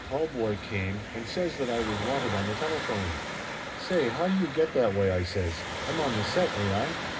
call boy came and says that I was wanted on the telephone. "Say, how do you get that way?" I says. "I'm on the set, ain't I